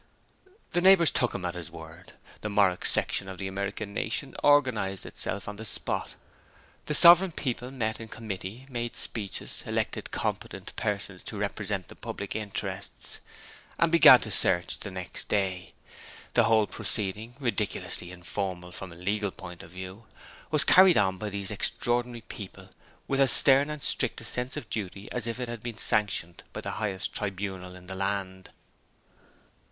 The neighbors took him at his word. The Morwick section of the American nation organized itself on the spot. The sovereign people met in committee, made speeches, elected competent persons to represent the public interests, and began the search the next day. The whole proceeding, ridiculously informal from a legal point of view, was carried on by these extraordinary people with as stern and strict a sense of duty as if it had been sanctioned by the highest tribunal in the land.